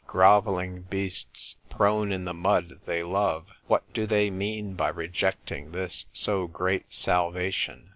Grovelling beasts, prone in the mud they love, what do they mean by rejecting this so great salvation?